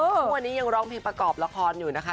ทุกวันนี้ยังร้องเพลงประกอบละครอยู่นะคะ